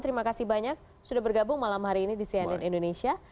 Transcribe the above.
terima kasih banyak sudah bergabung malam hari ini di cnn indonesia